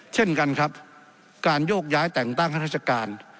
เช่นกันครับการโยกย้ายแต่งตั้งข้าราชการ